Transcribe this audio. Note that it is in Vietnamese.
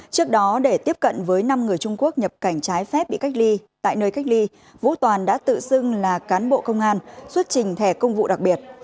trước đó để tiếp cận với năm người trung quốc nhập cảnh trái phép bị cách ly tại nơi cách ly vũ toàn đã tự xưng là cán bộ công an xuất trình thẻ công vụ đặc biệt